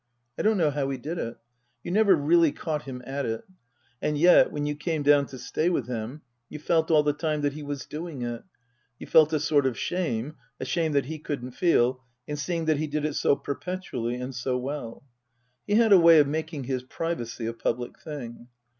I don't know how he did it ; you never really caught him at it ; and yet, when you came down to stay with him, you felt all the time that he was doing it ; you felt a sort of shame (a shame that he couldn't feel) in seeing that he did it so perpetually and so well. He had a way of making his privacy a public thing.